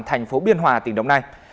thành phố biên hòa tỉnh đồng nai